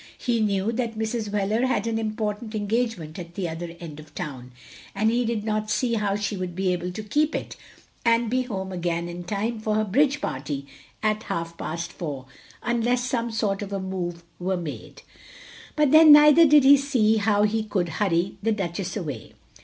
He knew that Mrs. Wheler had an im portant engagement at the other end of town, and he did not see how she wotild be able to keep it, and be home again in time for her bridge party at half past four, tmless some sort of a move were made. But then neither did he see how he could hurry the Duchess away.